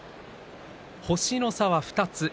星の差は２つ。